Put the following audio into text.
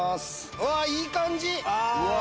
うわいい感じ！